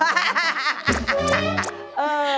ข้าดไข่ดาวอย่างนั้น